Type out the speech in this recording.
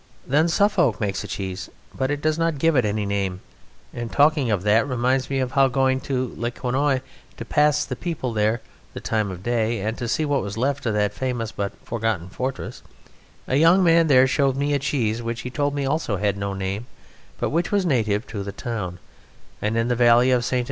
Then Suffolk makes a cheese, but does not give it any name; and talking of that reminds me how going to Le Quesnoy to pass the people there the time of day, and to see what was left of that famous but forgotten fortress, a young man there showed me a cheese, which he told me also had no name, but which was native to the town, and in the valley of Ste.